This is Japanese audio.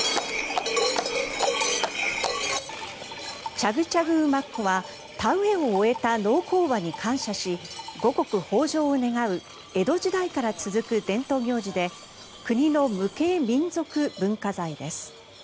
チャグチャグ馬コは田植えを終えた農耕馬に感謝し五穀豊穣を願う江戸時代から続く伝統行事で国の無形民俗文化財です。